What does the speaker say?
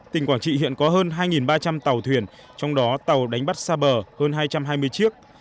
tỉnh quảng trị hiện có hơn hai ba trăm linh tàu thuyền trong đó tàu đánh bắt xa bờ hơn hai trăm hai mươi chiếc